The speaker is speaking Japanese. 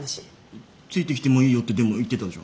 ついてきてもいいよってでも言ってたじゃん。